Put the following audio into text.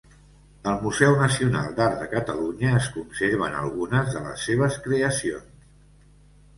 Al Museu Nacional d'Art de Catalunya es conserven algunes de les seves creacions.